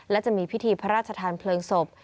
และจะมีพิธีพระราชทานเพลิงศพ